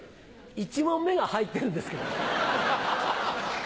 １問目が入ってるんですけど。